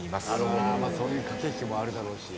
・そういう駆け引きもあるだろうし。